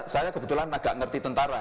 saya kebetulan agak ngerti tentara